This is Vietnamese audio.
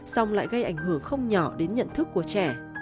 xong lại gây ảnh hưởng không nhỏ đến nhận thức của trẻ